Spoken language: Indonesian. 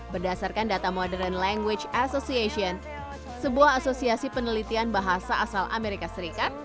berdasarkan data modern language association sebuah asosiasi penelitian bahasa asal amerika serikat